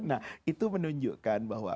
nah itu menunjukkan bahwa